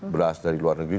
beras dari luar negeri